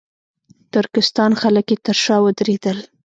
ترکستان خلک یې تر شا ودرېدل.